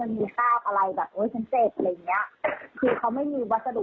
อาจจะจอดมาแฮกรถ